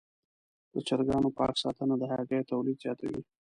د چرګانو پاک ساتنه د هګیو تولید زیاتوي.